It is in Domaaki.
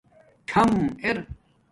ٹھم اِر